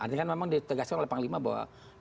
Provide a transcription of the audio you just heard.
artinya kan memang ditegaskan oleh panglima bahwa